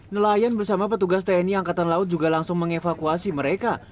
nelayan bersama petugas tni angkatan laut juga langsung mengevakuasi mereka